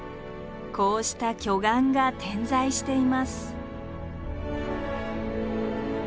こうした巨岩が点在しています。